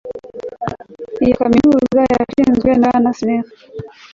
Iyo kaminuza yashinzwe na Bwana Smith